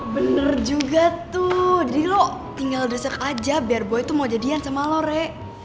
bener juga tuh jadi lo tinggal desek aja biar boy tuh mau jadian sama lo re